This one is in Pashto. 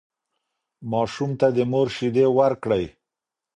ماشوم ته د مور شیدې ورکړئ.